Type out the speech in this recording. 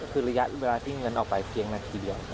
คือระยะเวลาที่เงินออกไปเพียงนาทีเดียว